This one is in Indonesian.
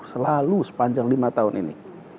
selalu sepanjang lima tahun ini